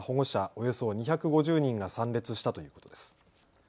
およそ２５０人が参列したということです。